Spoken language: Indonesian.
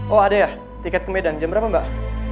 oh ada ya tiket ke medan jam berapa mbak